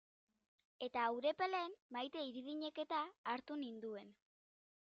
Eta Urepelen Maite Idirinek-eta hartu ninduen.